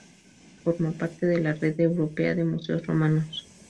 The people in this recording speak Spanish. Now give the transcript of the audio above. Forma parte de la red europea de museos romanos.